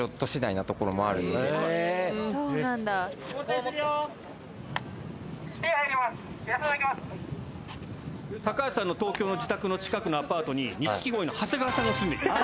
・はい入ります・高橋さんの東京の自宅の近くのアパートに錦鯉の長谷川さんが住んでいる。